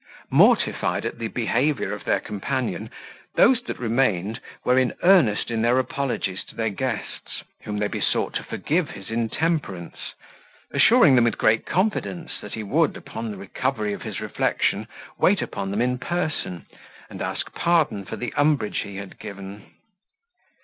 Mortified at the behaviour of their companion, those that remained were earnest in their apologies to their guests, whom they besought to forgive his intemperance, assuring them with great confidence that he would, upon the recovery of his reflection, wait upon them in person, and ask pardon for the umbrage he had given.